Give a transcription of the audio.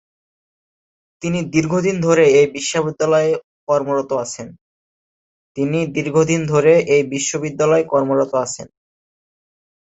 তিনি দীর্ঘদিন ধরে এই বিশ্ববিদ্যালয়ে কর্মরত আছেন।